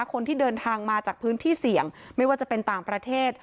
คนที่เดินทางมาจากพื้นที่เสี่ยงไม่ว่าจะเป็นต่างประเทศ